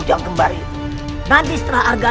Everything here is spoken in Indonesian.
dan sampai jumpa lagi